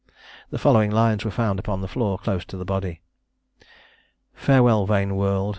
The following lines were found upon the floor, close to the body: "Farewell, vain world!